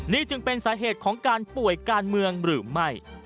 นี่จึงเป็นสาเหตุของการป่วยการเมืองหรือไม่